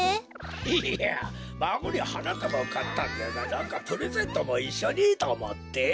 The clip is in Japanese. いやまごにはなたばをかったんじゃがなんかプレゼントもいっしょにとおもって。